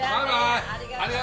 ありがとうね。